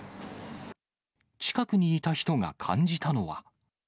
近くにいた人が感じたのは。